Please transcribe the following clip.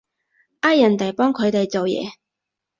呃人哋幫佢哋做嘢